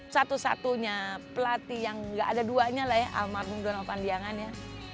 satu satunya pelatih yang gak ada duanya lah ya almarhum donald pandiangan ya